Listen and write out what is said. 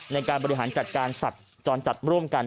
ในการบริหารจัดการสัตว์จรจัดร่วมกัน